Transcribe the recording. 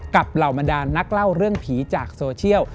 เหล่าบรรดานนักเล่าเรื่องผีจากโซเชียล